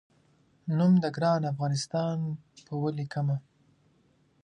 نوم د ګران افغانستان په ولیکمه